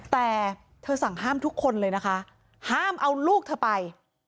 แต่เธอสั่งห้ามทุกคนเลยนะคะห้ามเอาลูกเธอไป